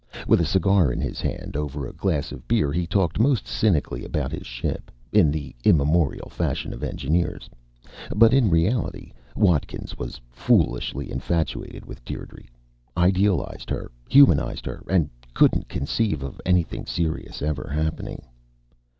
With a cigar in his hand, over a glass of beer, he talked most cynically about his ship, in the immemorial fashion of engineers. But in reality, Watkins was foolishly infatuated with Dierdre, idealized her, humanized her, and couldn't conceive of anything serious ever happening.